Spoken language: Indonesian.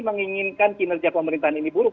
menginginkan kinerja pemerintahan ini buruk